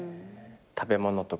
食べ物とか。